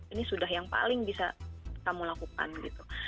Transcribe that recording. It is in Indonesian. ini sudah yang paling bisa kamu lakukan gitu